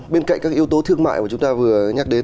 bên cạnh các yếu tố thương mại mà chúng ta vừa nhắc đến